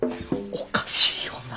おかしいよな？